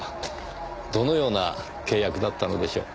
どのような契約だったのでしょう？